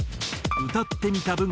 「歌ってみた」